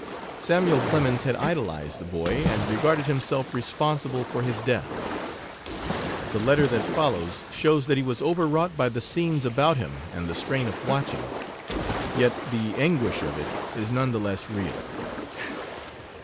Samuel Clemens had idolized the boy, and regarded himself responsible for his death. The letter that follows shows that he was overwrought by the scenes about him and the strain of watching, yet the anguish of it is none the less real.